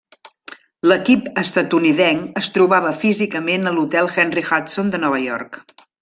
L'equip estatunidenc es trobava físicament a l'Hotel Henry Hudson de Nova York.